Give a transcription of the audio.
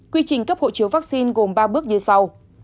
quy trình cấp hộ chiếu vaccine gồm ba bước như sau